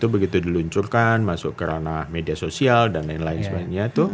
begitu diluncurkan masuk ke ranah media sosial dan lain lain sebagainya